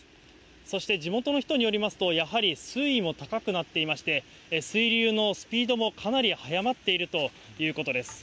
そして地元の人によりますと、やはり水位も高くなっていまして、水流のスピードもかなり速まっているということです。